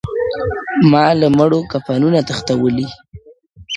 ما له مړو کفنونه تښتولي٫